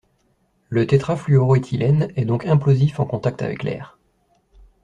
Le tétrafluoroéthylène est donc implosif en contact avec l'air.